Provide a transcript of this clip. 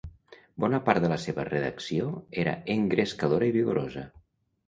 Bona part de la seva redacció era engrescadora i vigorosa.